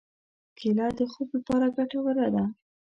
کېله د خوب لپاره ګټوره ده.